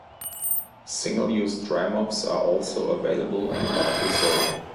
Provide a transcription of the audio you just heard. Single-use dry mops are also available and widely sold.